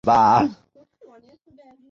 现效力于俄克拉何马城雷霆。